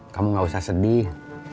kamu gak usah sedih